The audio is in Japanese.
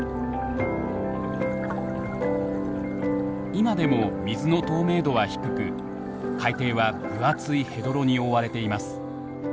今でも水の透明度は低く海底は分厚いヘドロに覆われています。